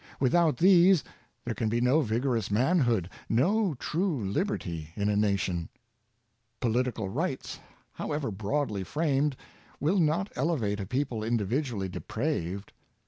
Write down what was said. Without these there can be no vigorous Character and Freedom. 83 manhood, no true liberty in a nation. Political rights, however broadly framed, will not elevate a people indi vidually depraved.